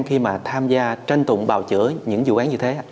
khi mà tham gia trên tụng bào chữa những dụ án như thế ạ